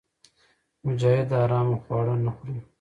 مجاهد د حرامو خواړه نه خوري.